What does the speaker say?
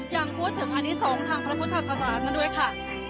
อย่างพูดถึงอันนี้สองทางพระพุทธชาติศาสตร์นั้นด้วยค่ะ